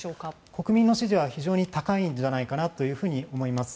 国民の支持は非常に高いんじゃないかなと思います。